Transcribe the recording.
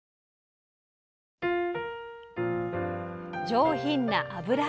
上品な脂。